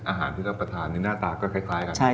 อาหารที่รับประทานนี่หน้าตาก็คล้ายกัน